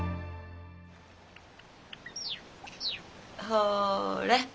ほれ。